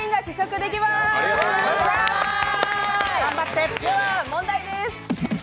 では問題です。